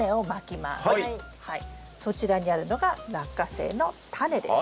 そちらにあるのがラッカセイのタネです。